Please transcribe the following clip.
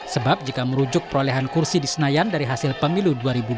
sebab jika merujuk perolehan kursi di senayan dari hasil pemilu dua ribu dua puluh